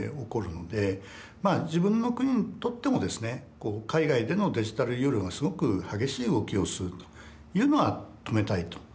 自分の国にとってもですね海外でのデジタルユーロがすごく激しい動きをするというのは止めたいと。